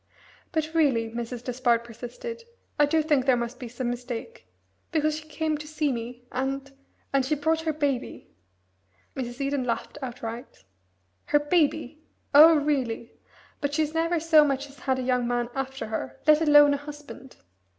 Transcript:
"But really," Mrs. Despard persisted, "I do think there must be some mistake. Because she came to see me and and she brought her baby." Mrs. Eden laughed outright. "Her baby? Oh, really! But she's never so much as had a young man after her, let alone a husband.